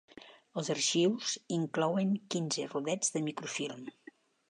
Els arxius inclouen quinze rodets de microfilm.